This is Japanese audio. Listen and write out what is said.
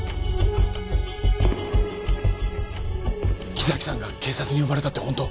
木崎さんが警察に呼ばれたって本当？